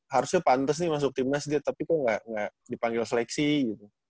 harusnya pantas nih masuk tim nas dia tapi kok nggak dipanggil seleksi gitu